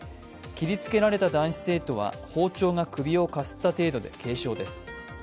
切りつけられた男子生徒は包丁が首をかすった程度で軽症です。